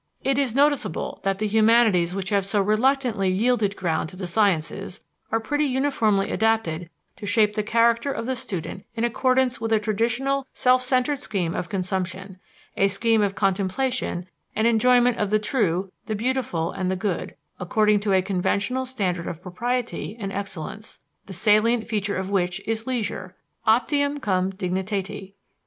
It is noticeable that the humanities which have so reluctantly yielded ground to the sciences are pretty uniformly adapted to shape the character of the student in accordance with a traditional self centred scheme of consumption; a scheme of contemplation and enjoyment of the true, the beautiful, and the good, according to a conventional standard of propriety and excellence, the salient feature of which is leisure otium cum dignitate.